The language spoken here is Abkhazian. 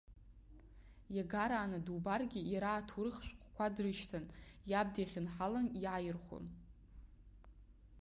Иагарааны дубаргьы иара аҭоурых шәҟәқәа дрышьҭан, иаб дихьынҳалан иааирхәон.